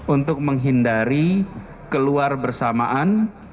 untuk menghindari keluar bersamaan